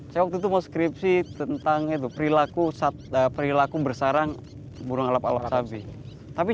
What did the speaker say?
saya waktu itu mau skripsi tentang itu perilaku bersarang burung alap alap sabi